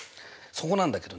そこなんだけどね。